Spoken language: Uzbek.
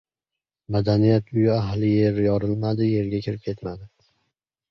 Madaniyat uyi ahli yer yorilmadi, yerga kirib ketmadi!